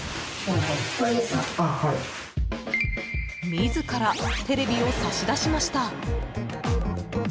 ［自らテレビを差し出しました］